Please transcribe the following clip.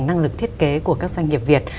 năng lực thiết kế của các doanh nghiệp việt